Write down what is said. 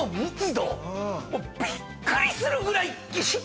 びっくりするぐらい。